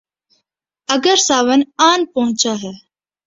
اگر ساون آن پہنچا ہے۔